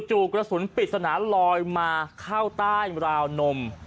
กระสุนปริศนาลอยมาเข้าใต้ราวนม